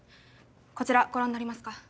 こちらご覧になりますか？